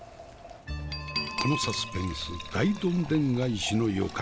このサスペンス大どんでん返しの予感。